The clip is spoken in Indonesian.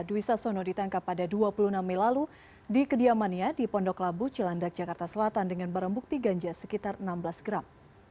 dwi sasono ditangkap pada dua puluh enam mei lalu di kediamannya di pondok labu cilandak jakarta selatan dengan barang bukti ganja sekitar enam belas gram